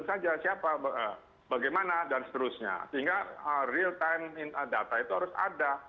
saja siapa bagaimana dan seterusnya sehingga real time data itu harus ada